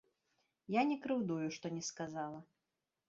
Я не крыўдую, што не сказала.